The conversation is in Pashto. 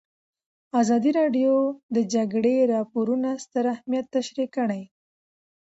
ازادي راډیو د د جګړې راپورونه ستر اهميت تشریح کړی.